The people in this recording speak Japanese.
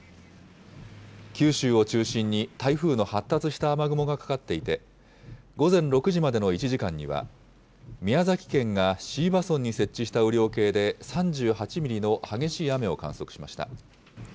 九州を中心に台風の発達した雨雲がかかっていて、午前６時までの１時間には、宮崎県が椎葉村に設置した雨量計で３８ミリの激しい雨を観測しました。